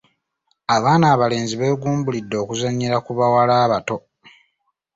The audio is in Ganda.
Abaana abalenzi beegumbuludde okuzannyira ku bawala abato.